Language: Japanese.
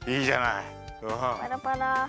パラパラ。